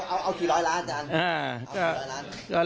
เอาที่ร้อยล้านอาจารย์